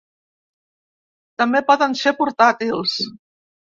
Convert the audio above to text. També poden ser portàtils.